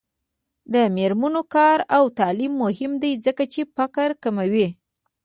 د میرمنو کار او تعلیم مهم دی ځکه چې فقر کموي.